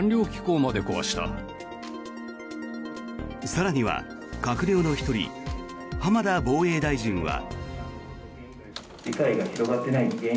更には、閣僚の１人浜田防衛大臣は。